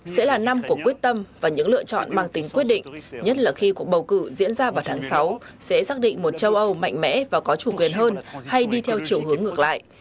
sẽ là năm của quyết tâm và những lựa chọn mang tính quyết định nhất là khi cuộc bầu cử diễn ra vào tháng sáu sẽ xác định một châu âu mạnh mẽ và có chủ quyền hơn hay đi theo chiều hướng ngược lại